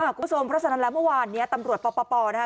คุณผู้ชมพระสนับแล้วเมื่อวานตำรวจป่อนะคะ